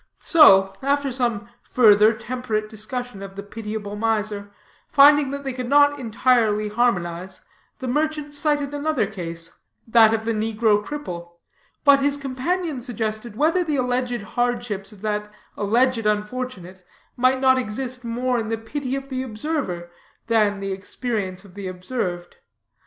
So, after some further temperate discussion of the pitiable miser, finding that they could not entirely harmonize, the merchant cited another case, that of the negro cripple. But his companion suggested whether the alleged hardships of that alleged unfortunate might not exist more in the pity of the observer than the experience of the observed.